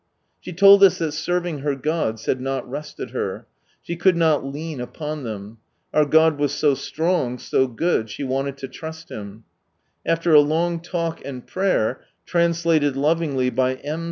She told us that serving her gods had not rested her. She could not " lean upon them." Our God was so strong, so good, she wanted to trust Him, After a long talk and prayer, translated lovingly by M.